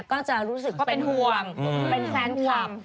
ก็จะรู้สึกเป็นห่วงเป็นแฟนคลับ